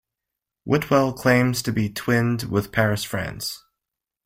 Whitwell claims to be twinned with Paris, France.